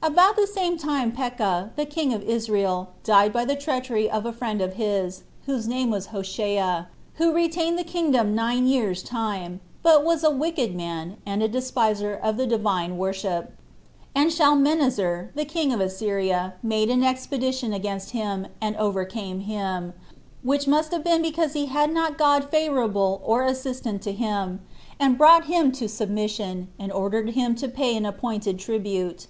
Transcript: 1. About the same time Pekah, the king of Israel, died by the treachery of a friend of his, whose name was Hoshea, who retained the kingdom nine years' time, but was a wicked man, and a despiser of the Divine worship; and Shalmaneser, the king of Assyria, made an expedition against him, and overcame him, [which must have been because he had not God favorable nor assistant to him,] and brought him to submission, and ordered him to pay an appointed tribute.